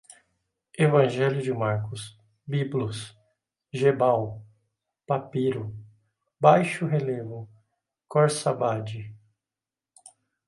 Evangelho de Marcos, Biblos, Gebal, papiro, baixo-relevo, Corsabade